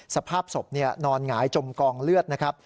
สภาพศพนอนหงายจมกองเลือดนะครับ